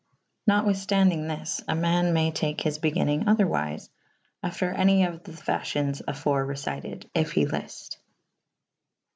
Natwithftandynge this / a man maye take his begynnynge other wyfe / after any of the facyons afore recyted / if he lylte.